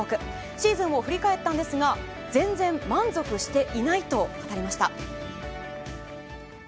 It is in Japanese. シーズンを振り返ったんですが全然満足していないと語りました。